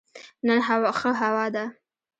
نن ښه هوا ده